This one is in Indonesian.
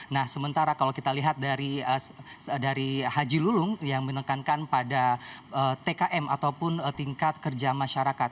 nah sementara kalau kita lihat dari haji lulung yang menekankan pada tkm ataupun tingkat kerja masyarakat